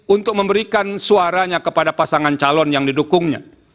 untuk memberikan suaranya kepada pasangan calon yang didukungnya